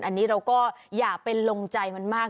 อันนี้เราก็อย่าไปลงใจมันมาก